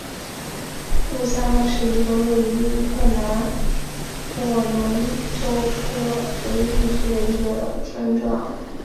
穆夏那是一个位于乌克兰沃伦州科韦利区的一个村庄。